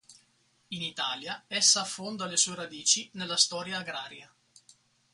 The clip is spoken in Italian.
In Italia essa affonda le sue radici nella storia agraria.